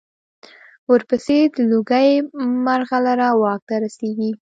ورپسې د لوګي مرغلره واک ته رسېږي.